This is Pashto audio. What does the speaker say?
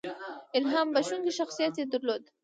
• الهام بښونکی شخصیت یې درلود.